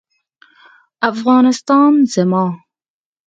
افغانستان زما